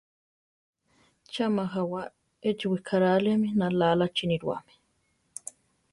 Cha majawá! Échi wikaráliami Nalaláchi nirúami.